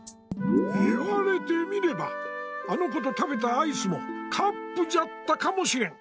言われてみればあの子と食べたアイスもカップじゃったかもしれん。